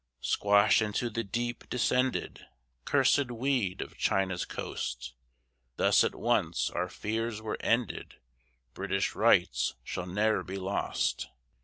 Squash into the deep descended, Cursed weed of China's coast; Thus at once our fears were ended; British rights shall ne'er be lost.